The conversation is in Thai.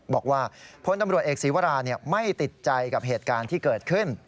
บอกว่าพลตำรวจเอกศีวราไม่ติดใจกับเหตุการณ์ที่เกิดขึ้น